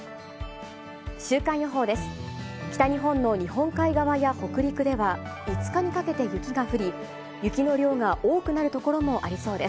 週間予報です。